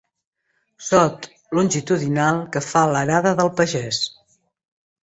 Sot longitudinal que fa l'arada del pagès.